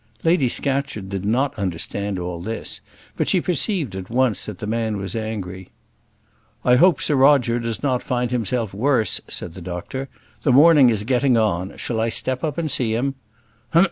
Lady Scatcherd did not understand all this; but she perceived at once that the man was angry. "I hope Sir Roger does not find himself worse," said the doctor. "The morning is getting on; shall I step up and see him?"